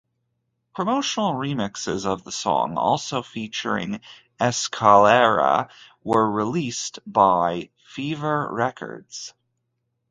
Promotional remixes of the song, also featuring Escalera where released by Fever Records.